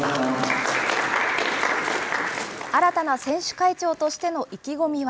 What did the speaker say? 新たな選手会長としての意気込みは。